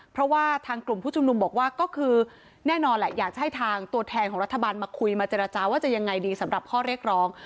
เพราะว่าทางกลุ่มผู้ชุมนุมบอกว่าก็คือแน่นอนแหละอยากจะให้ทางตัวแทนของรัฐบาลมาคุยมาเจรจาว่าจะยังไงดีสำหรับข้อเรียกร้อง